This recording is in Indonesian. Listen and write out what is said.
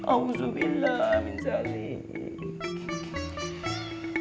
amin sya allah